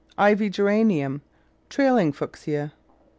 Ivy Geranium. Trailing Fuchsia.